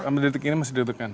ambil detik ini masih deg degan